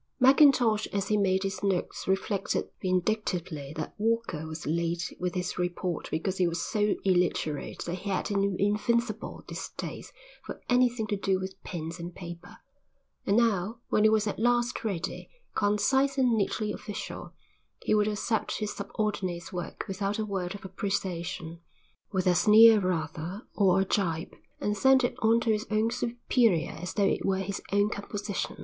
Mackintosh as he made his notes reflected vindictively that Walker was late with his report because he was so illiterate that he had an invincible distaste for anything to do with pens and paper; and now when it was at last ready, concise and neatly official, he would accept his subordinate's work without a word of appreciation, with a sneer rather or a gibe, and send it on to his own superior as though it were his own composition.